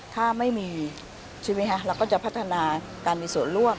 ถ้าไม่มีใช่ไหมคะเราก็จะพัฒนาการมีส่วนร่วม